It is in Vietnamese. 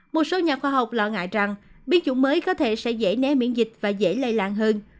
một số nhà khoa học lo ngại rằng biến chủng mới có thể sẽ dễ né miễn dịch và dễ lây lan hơn